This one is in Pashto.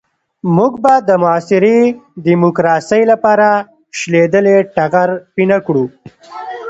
موږ به د معاصرې ديموکراسۍ لپاره شلېدلی ټغر پينه کړو.